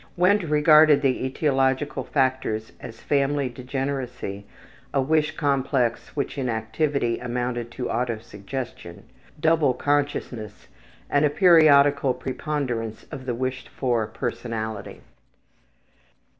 Wendt regarded the etiological factors as family degeneracy, a wish complex which in activity amounted to autosuggestion, double consciousness, and a periodical preponderance of the wished for personality.